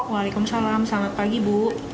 wa'alaikumsalam selamat pagi bu